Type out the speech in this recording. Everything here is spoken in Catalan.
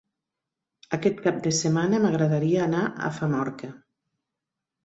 Aquest cap de setmana m'agradaria anar a Famorca.